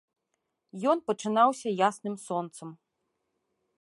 Ён пачынаўся ясным сонцам.